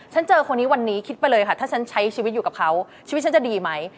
เจอคนนี้วันนี้คิดไปเลยค่ะถ้าฉันใช้ชีวิตอยู่กับเขาชีวิตฉันจะดีไหม